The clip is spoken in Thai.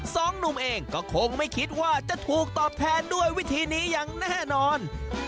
สองหนุ่มเองก็คงไม่คิดว่าจะถูกตอบแทนด้วยวิธีนี้อย่างแน่นอน